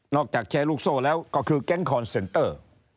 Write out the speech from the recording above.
จากแชร์ลูกโซ่แล้วก็คือแก๊งคอนเซนเตอร์